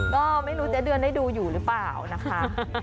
ก็ไม่รู้เจ๊เดือนได้ดูอยู่หรือเปล่านะคะ